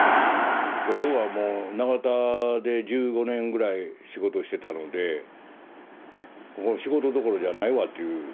要はもう長田で１５年ぐらい仕事してたのでここの仕事どころじゃないわという。